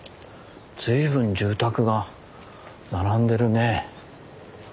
随分住宅が並んでるねえ。